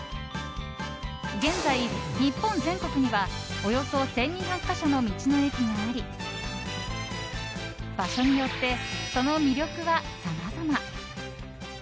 現在、日本全国にはおよそ１２００か所の道の駅があり場所によってその魅力はさまざま。